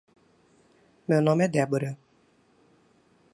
Meu nome é Deborah.